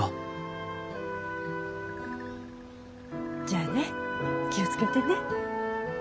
じゃあね気を付けてね。